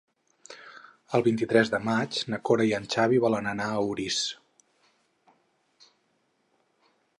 El vint-i-tres de maig na Cora i en Xavi volen anar a Orís.